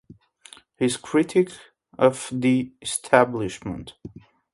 He is critic of the "Establishment".